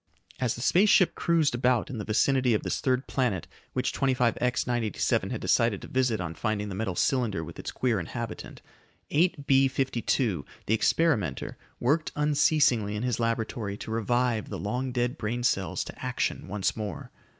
As the space ship cruised about in the vicinity of this third planet which 25X 987 had decided to visit on finding the metal cylinder with its queer inhabitant, 8B 52, the experimenter, worked unceasingly in his laboratory to revive the long dead brain cells to action once more.